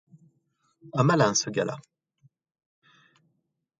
Un malin, ce gars-là.